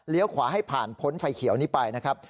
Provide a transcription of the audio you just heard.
ขวาให้ผ่านพ้นไฟเขียวนี้ไปนะครับ